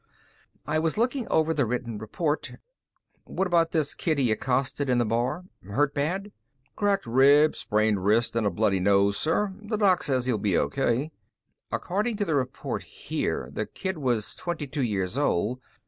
I was looking over the written report. "What about this kid he accosted in the bar? Hurt bad?" "Cracked rib, sprained wrist, and a bloody nose, sir. The doc said he'd be O.K." "According to the report here, the kid was twenty two years old.